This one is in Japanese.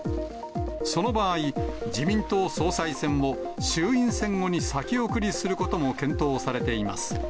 その場合、自民党総裁選を衆院選後に先送りすることも検討されています。